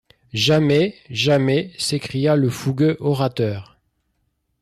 Jamais! jamais ! s’écria le fougueux orateur.